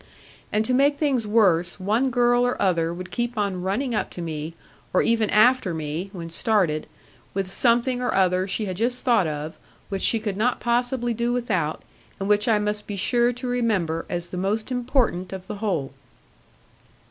And to make things worse, one girl or other would keep on running up to me, or even after me (when started) with something or other she had just thought of, which she could not possibly do without, and which I must be sure to remember, as the most important of the whole.